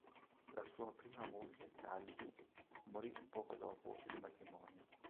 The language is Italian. La sua prima moglie, Cagli morì poco dopo il matrimonio.